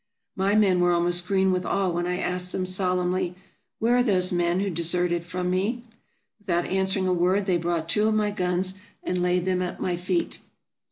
My men were almost green with awe when I asked them, solemnly, "Where are those men who deserted from me ?" Without answering a word they brought two of my guns and laid them at my feet.